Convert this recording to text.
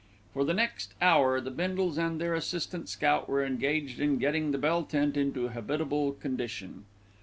For the next hour the Bindles and their assistant scout were engaged in getting the bell tent into habitable condition.